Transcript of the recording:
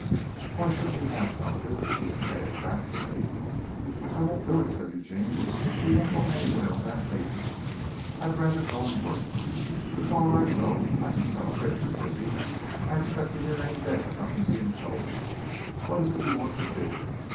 Why shouldn't you have some of it? You can pay it back to me." "I won't do it," said Eugene. "We won't go anywhere on that basis. I'd rather go and work. It's all right, though. I can sell a picture maybe. I expect to hear any day of something being sold. What is it you want to do?"